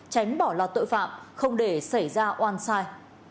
tránh bỏ lọt tội phạm không để xảy ra oan sai